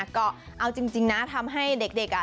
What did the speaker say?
ก็เอาจริงนะทำให้เด็กอ่ะ